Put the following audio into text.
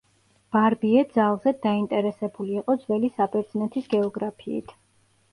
ბარბიე ძალზედ დაინტერესებული იყო ძველი საბერძნეთის გეოგრაფიით.